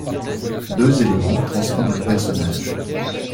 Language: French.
Deux éléments transforment le personnage.